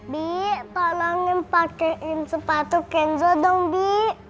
bi tolongin pakaiin sepatu kenzo dong bi